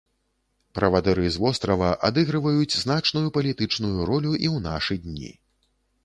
Правадыры з вострава адыгрываюць значную палітычную ролю і ў нашы дні.